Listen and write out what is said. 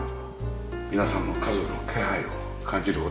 皆さんの家族の気配を感じる事ができる。